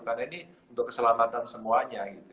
karena ini untuk keselamatan semuanya gitu